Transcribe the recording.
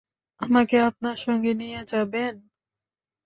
আমাকে আপনার সঙ্গে নিয়ে যাবেন?